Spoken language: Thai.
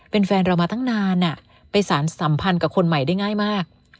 เป็นแฟนเรามาตั้งนานไปสารสัมพันธ์กับคนใหม่ได้ง่ายมาก